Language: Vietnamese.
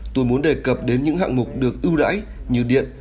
tôi muốn đề cập đến những hạng mục được ưu đãi như điện